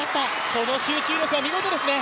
この集中力は見事ですよね。